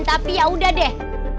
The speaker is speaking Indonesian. tapi ya udah deh